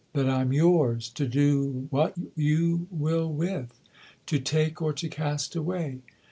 That I'm yours to do what you will with to take or to cast away.